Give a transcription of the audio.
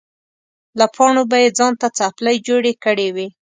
له پاڼو به یې ځان ته څپلۍ جوړې کړې وې.